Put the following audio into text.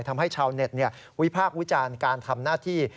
ทำให้ชาวเน็ตวิพากษ์วิจารณ์การทำหน้าที่